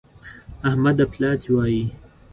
احمد اپلاتي وايي.